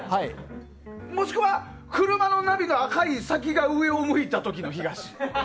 もしくは、車のナビの赤い先が上を向いた時の東。